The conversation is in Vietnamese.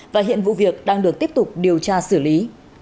và hiện vụ việc đang được tiếp tục điều tra xử lý